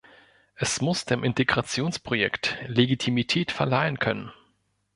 Es muss dem Integrationsprojekt Legitimität verleihen können.